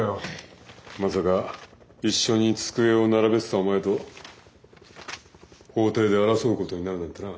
まさか一緒に机を並べてたお前と法廷で争うことになるなんてな。